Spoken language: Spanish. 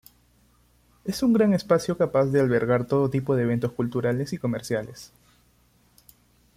Es un gran espacio capaz de albergar todo tipo de eventos culturales y comerciales.